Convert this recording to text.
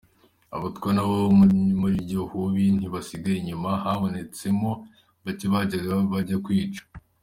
Abatwa nabo muri ryo hubi ntibasigaye inyuma, habonetse mo bacye bajyaga bajya kwica.